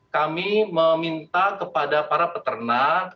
kami meminta kepada para peternak